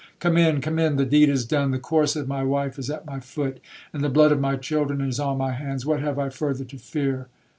Come in—come in—the deed is done!—The corse of my wife is at my foot, and the blood of my children is on my hands—what have I further to fear?'